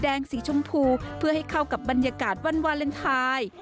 สีชมพูเพื่อให้เข้ากับบรรยากาศวันวาเลนไทย